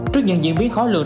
trước những diễn biến khó lường